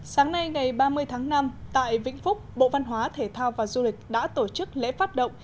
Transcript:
sáng nay ngày ba mươi tháng năm tại vĩnh phúc bộ văn hóa thể thao và du lịch đã tổ chức lễ phát động